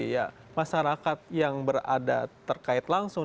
ya masyarakat yang berada terkait langsung